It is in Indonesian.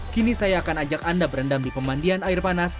kini saya akan ajak anda berendam di pemandian air panas